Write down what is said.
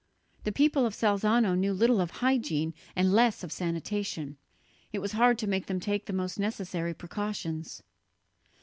The people of Salzano knew little of hygiene and less of sanitation; it was hard to make them take the most necessary precautions.